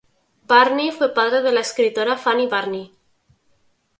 Burney fue padre de la escritora Fanny Burney.